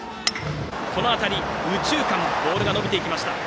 この当たりが右中間にボールが伸びていきました。